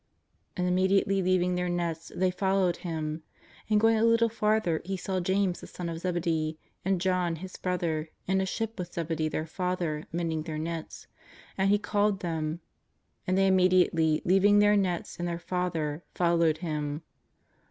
And immediately leaving their nets they followed Him. And going a little farther He saw James, the son of Zebedee, and John, his brother, in a ship with Zebedee their father mending their nets, and He called them. And they immediately, leaving their nets and their father, followed Him.